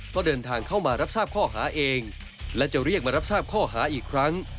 ก็เดินทางเข้ามารับทราบข้อหาเองและจะเรียกมารับทราบข้อหาอีกครั้ง